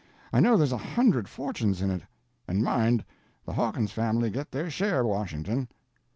I know there's a hundred fortunes in it." "And mind, the Hawkins family get their share, Washington."